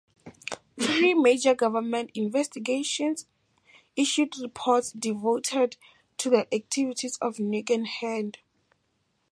Three major government investigations issued reports devoted to the activities of Nugan Hand.